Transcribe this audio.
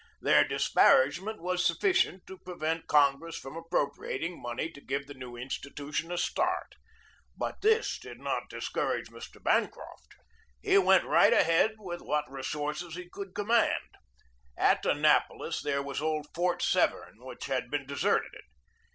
Their disparagement was sufficient to prevent Con gress from appropriating money to give the new in stitution a start. But this did not discourage Mr. Bancroft. He went right ahead with what resources he could command. At Annapolis there was old Fort Severn, which had been deserted.